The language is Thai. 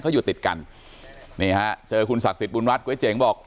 เขาอยู่ติดกันนี่ฮะเจอคุณศักดิ์สิทธิบุญวัดก๋วยเจ๋งบอก